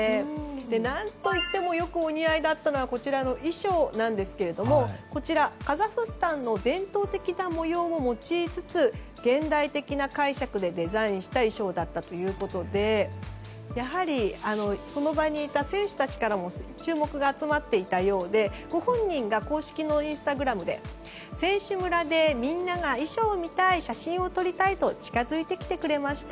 何といってもよくお似合いだった衣装なんですがこちら、カザフスタンの伝統的な模様を用いつつ現代的な解釈でデザインした衣装だったということでやはりその場にいた選手からも注目が集まっていたようでご本人が公式のインスタグラムで選手村でみんなが、衣装を見たい写真を撮りたいと近づいてきてくれました。